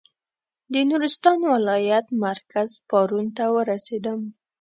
د نورستان ولایت مرکز پارون ته ورسېدم.